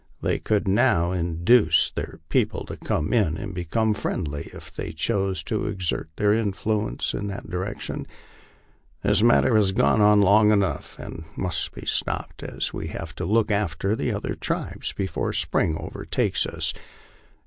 They could now induce their peo ple to come in and become friendly if they chose to exert their influence in that direction. This matter has gone on long enough, and must be stopped, as we have to look after the other tribes before spring overtakes us.